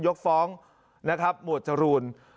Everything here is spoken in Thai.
ยกฟ้องนะครับหมวดจรูน